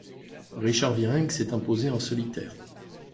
Richard Virenque s'est imposé en solitaire.